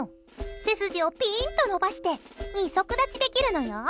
背筋をピーンと伸ばして二足立ちできるのよ。